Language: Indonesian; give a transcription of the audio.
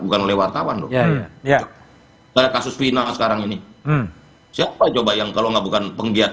bukan oleh wartawan dong ada kasus final sekarang ini siapa coba yang kalau enggak bukan penggiat